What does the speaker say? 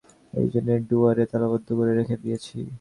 এই জন্যে ডুয়ারে তালাবন্ধ করে রেখে দিয়েছি।